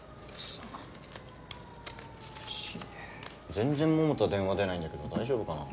全然桃田電話出ないんだけど大丈夫かな？